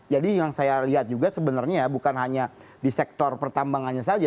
jadi yang saya lihat juga sebenarnya bukan hanya di sektor pertambangannya saja